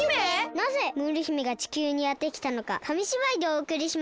なぜムール姫が地球にやってきたのかかみしばいでおおくりします。